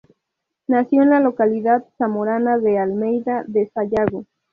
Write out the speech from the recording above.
Nació en la localidad zamorana de Almeida de Sayago.